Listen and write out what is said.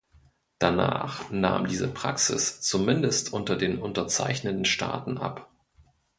Danach nahm diese Praxis zumindest unter den unterzeichnenden Staaten ab.